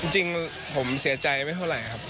จริงผมเสียใจไม่เท่าไหร่ครับ